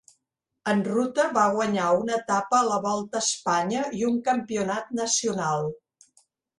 En ruta va guanyar una etapa a la Volta a Espanya i un Campionat nacional.